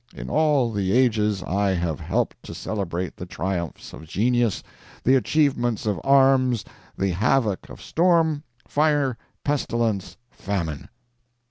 In all the ages I have helped to celebrate the triumphs of genius, the achievements of arms, the havoc of storm, fire, pestilence, famine."